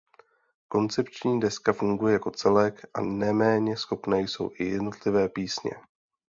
Koncepční deska funguje jako celek a neméně schopné jsou i jednotlivé písně.